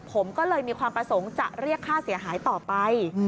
ผมก็เลยมีความประสงค์จะเรียกค่าเสียหายต่อไป